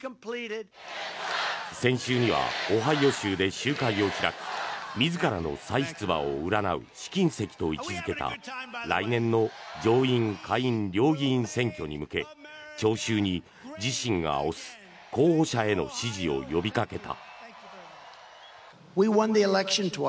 先週にはオハイオ州で集会を開き自らの再出馬を占う試金石と位置付けた来年の上院・下院両議院選挙に向け聴衆に自身が推す候補者への支持を呼びかけた。